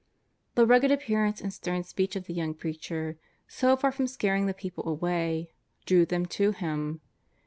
The rugged appearance and stern speech of the young preacher, so far from scaring the people away, drew them to him.